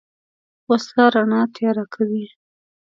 وسله رڼا تیاره کوي